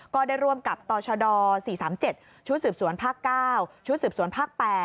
ก็ได้ร่วมกับตชด๔๓๗ชุดสืบสวนภาค๙ชุดสืบสวนภาค๘